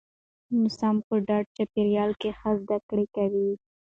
ماسوم په ډاډه چاپیریال کې ښه زده کړه کوي.